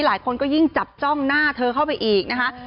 หลายคนก็ยิ่งจับจ้องหน้าเธอเข้าไปอีกนะคะ